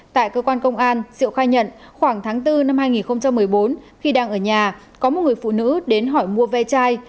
tại cơ quan công an diệu khai nhận khoảng tháng bốn năm hai nghìn một mươi bốn khi đang ở nhà có một người phụ nữ đến hỏi mua ve chai